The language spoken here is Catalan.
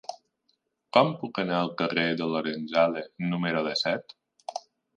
Com puc anar al carrer de Lorenzale número disset?